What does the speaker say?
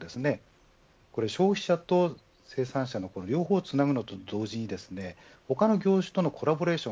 成功する上では、消費者と生産者の両方をつなぐのと同時に他の業種とのコラボレーション